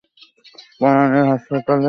পরান এলে হাসপাতালে পাঠিয়ে দিও।